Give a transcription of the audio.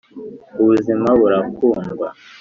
ubuzima burakundwa